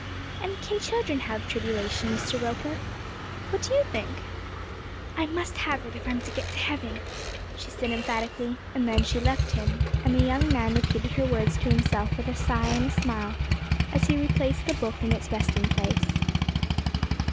'And can children have tribulation, Mr. Roper?' 'What do you think?' 'I must have it if I'm to get to heaven,' she said emphatically; and then she left him, and the young man repeated her words to himself with a sigh and a smile, as he replaced the book in its resting place.